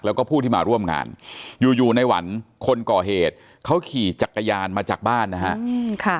แล้วก็ผู้ที่มาร่วมงานอยู่อยู่ในหวันคนก่อเหตุเขาขี่จักรยานมาจากบ้านนะฮะ